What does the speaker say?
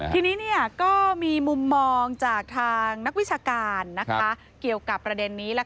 ทีนี้ก็มีมุมมองจากทางนักวิชาการเกี่ยวกับประเด็นนี้